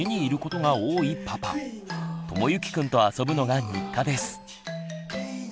ともゆきくんと遊ぶのが日課です。